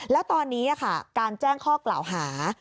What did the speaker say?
แล้วตอนนี้การแจ้งข้อกล่าวหา